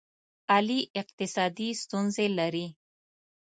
علي اقتصادي ستونزې لري.